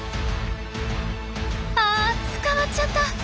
あ捕まっちゃった！